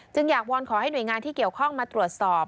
อยากวอนขอให้หน่วยงานที่เกี่ยวข้องมาตรวจสอบ